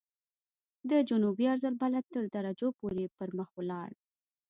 د جنوبي عرض البلد تر درجو پورې پرمخ ولاړ.